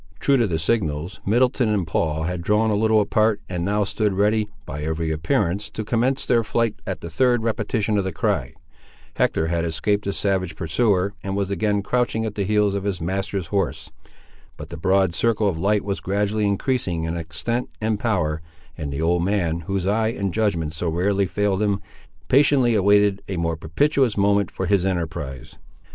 True to the signals, Middleton and Paul had drawn a little apart, and now stood ready, by every appearance, to commence their flight at the third repetition of the cry. Hector had escaped his savage pursuer, and was again crouching at the heels of his master's horse. But the broad circle of light was gradually increasing in extent and power, and the old man, whose eye and judgment so rarely failed him, patiently awaited a more propitious moment for his enterprise.